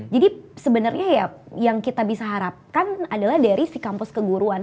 jadi sebenernya ya yang kita bisa harapkan adalah dari si kampus keguruan